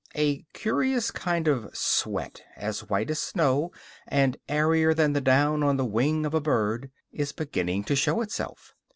A curious kind of sweat, as white as snow and airier than the down on the wing of a bird, is beginning to show itself.